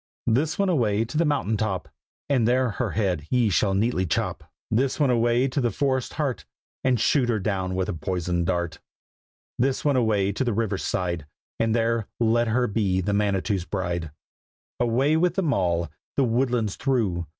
This one away to the mountain top, And there her head ye shall neatly chop. This one away to the forest's heart, And shoot her down with a poisoned dart. This one away to the river side, And there let her be the Manitou's bride. Away with them all, the woodlands through.